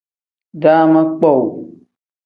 Daama kpowuu.